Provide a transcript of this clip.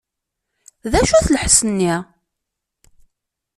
D acu-t lḥess-nni?